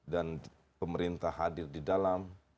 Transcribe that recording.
dan pemerintah hadir di dalam